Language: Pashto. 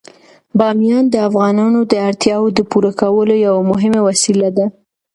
بامیان د افغانانو د اړتیاوو د پوره کولو یوه مهمه وسیله ده.